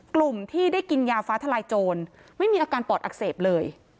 กลุ่มที่ได้กินยาฟ้าทลายโจรไม่มีอาการปอดอักเสบเลย